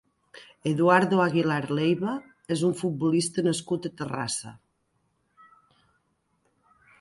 Eduardo Aguilar Leiva és un futbolista nascut a Terrassa.